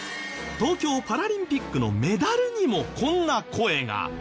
東京パラリンピックのメダルにもこんな声が。